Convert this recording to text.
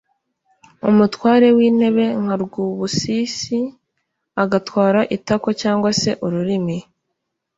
umutware w'intebe nka Rwubusisi agatwara itako cyangwa se ururimi.